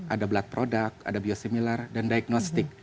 ada blood product ada biosimilar dan diagnostik